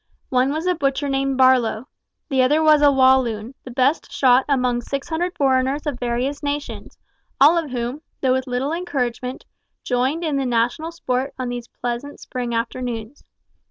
One was a butcher named Barlow. The other was a Walloon, the best shot among six hundred foreigners of various nations, all of whom, though with little encouragement, joined in the national sport on these pleasant spring afternoons.